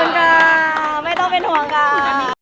โปรดติดตามตอนต่อไป